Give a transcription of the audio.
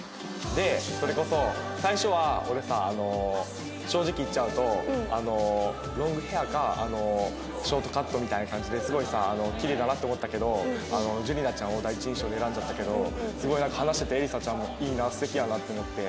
でそれこそ最初は俺さ正直言っちゃうとロングヘアかショートカットみたいな感じですごいさきれいだなって思ったけどじゅりなちゃんを第一印象で選んじゃったけどすごい話しててえりさちゃんもいいな素敵やなって思って。